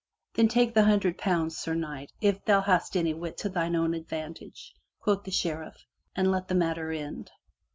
"Take then the hundred pounds, Sir Knight, if thou hast any wits to thine own advantage," quoth the Sheriff, "and let the matter end."